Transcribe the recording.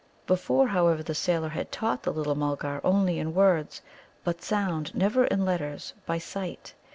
Before, however, the sailor had taught the little Mulgar only in words, by sound, never in letters, by sight.